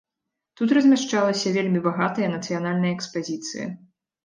Тут размяшчалася вельмі багатая нацыянальная экспазіцыя.